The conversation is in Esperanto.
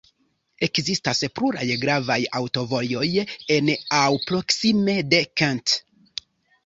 Ekzistas pluraj gravaj aŭtovojoj en aŭ proksime de Kent.